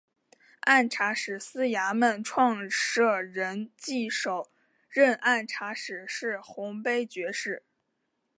按察使司衙门创设人暨首任按察使是洪卑爵士。